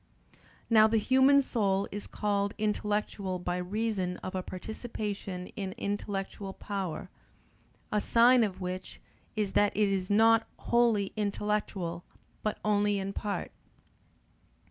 Now the human soul is called intellectual by reason of a participation in intellectual power; a sign of which is that it is not wholly intellectual but only in part.